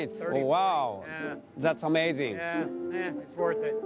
ワオ！